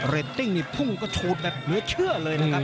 เรดติ้งนี่พุ่งก็โชว์แบบเหนือเชื่อเลยนะครับ